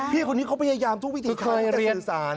พี่คนนี้เขาพยายามทุกวิธีทั้งแต่สื่อสาร